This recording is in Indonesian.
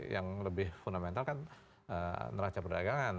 yang lebih fundamental kan neraca perdagangan